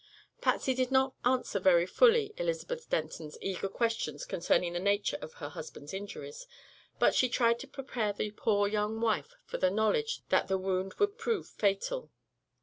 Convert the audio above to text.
Patsy did not answer very fully Elizabeth Denton's eager questions concerning the nature of her husband's injuries, but she tried to prepare the poor young wife for the knowledge that the wound would prove fatal.